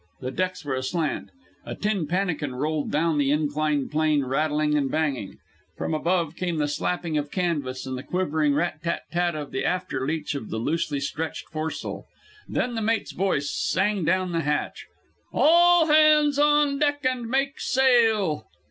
The decks were aslant. A tin pannikin rolled down the inclined plane, rattling and banging. From above came the slapping of canvas and the quivering rat tat tat of the after leech of the loosely stretched foresail. Then the mate's voice sang down the hatch, "All hands on deck and make sail!"